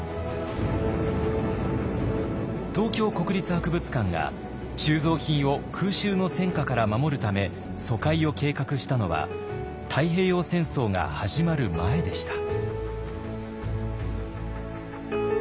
東京国立博物館が収蔵品を空襲の戦火から守るため疎開を計画したのは太平洋戦争が始まる前でした。